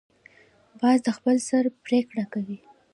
باز د خپل سر پریکړه کوي